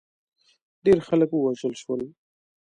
ډېر خلک ووژل شول.